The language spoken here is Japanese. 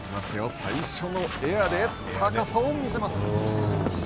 最初のエアで高さを見せます。